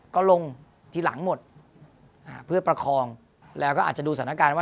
ก็ลงทีหลังหมดอ่าเพื่อประคองแล้วก็อาจจะดูสถานการณ์ว่า